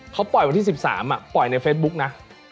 เขาปล่อยวันที่สิบสามอ่ะปล่อยในเฟสบุ๊คนะ